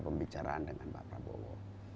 pembicaraan dengan pak prabowo